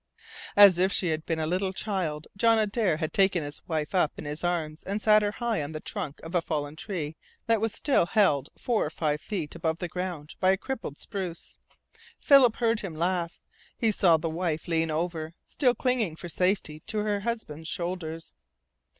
As if she had been a little child John Adare had taken his wife up in his arms and sat her high on the trunk of a fallen tree that was still held four or five feet above the ground by a crippled spruce. Philip heard him laugh. He saw the wife lean over, still clinging for safety to her husband's shoulders.